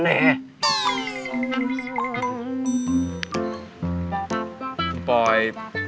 คุณป๊อย